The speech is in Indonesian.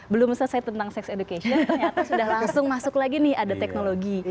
belum selesai tentang sex education ternyata sudah langsung masuk lagi nih ada teknologi